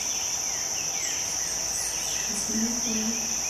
داسې مکوه